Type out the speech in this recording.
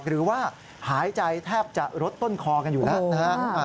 หรือว่าหายใจแทบจะรดต้นคอกันอยู่แล้วนะฮะ